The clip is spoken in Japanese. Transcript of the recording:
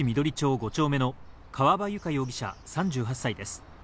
５丁目の川場友香容疑者、３８歳です。